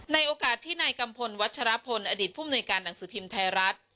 ในโอกาสที่นายกัมพลวัชรพลอดีตผู้มนุยการหนังสือพิมพ์ไทยรัฐ